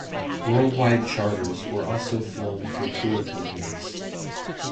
Worldwide charters were also flown for tour companies.